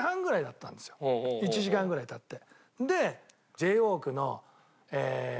１時間ぐらい経って。